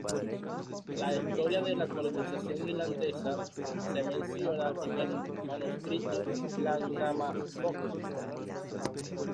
La historia de la colonización islandesa se menciona en el manuscrito "Landnámabók.